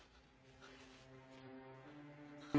あっ！